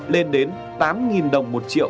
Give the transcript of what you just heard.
lên đến tám đồng một triệu